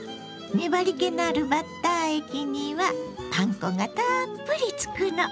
粘りけのあるバッター液にはパン粉がたっぷりつくの。